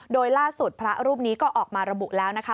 โดยล่าสุดพระรูปนี้ก็ออกมาระบุแล้วนะคะ